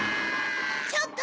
ちょっと！